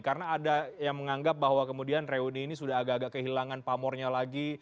karena ada yang menganggap bahwa kemudian reuni ini sudah agak agak kehilangan pamornya lagi